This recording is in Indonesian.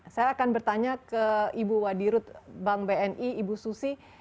saya akan bertanya ke ibu wadirut bank bni ibu susi